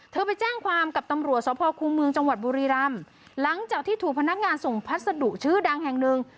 ไปแจ้งความกับตำรวจสภคูเมืองจังหวัดบุรีรำหลังจากที่ถูกพนักงานส่งพัสดุชื่อดังแห่งหนึ่ง